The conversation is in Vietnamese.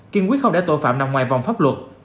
kiên quyết không để tội phạm nằm ngoài vòng pháp luật